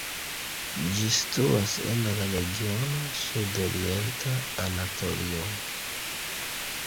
Ĝi situas en la regiono Sudorienta Anatolio.